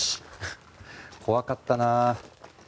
怖かったなあ。